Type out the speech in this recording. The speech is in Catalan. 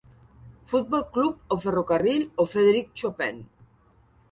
Futbol club o ferrocarril o Frederic Chopin.